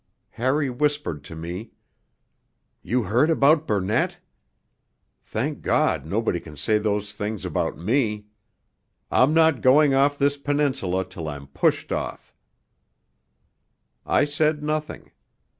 Harry whispered to me, 'You heard about Burnett? Thank God, nobody can say those things about me! I'm not going off this Peninsula till I'm pushed off.' I said nothing.